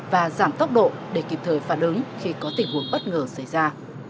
và giảm tốc độ để kịp thời phản ứng khi có tình huống bất ngờ xảy ra